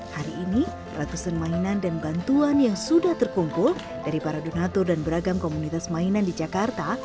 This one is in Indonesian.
hari ini ratusan mainan dan bantuan yang sudah terkumpul dari para donatur dan beragam komunitas mainan di jakarta